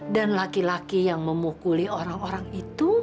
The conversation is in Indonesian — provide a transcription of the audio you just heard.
dan laki laki yang memukul orang orang itu